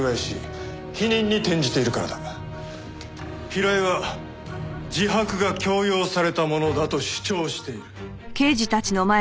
平井は自白が強要されたものだと主張している。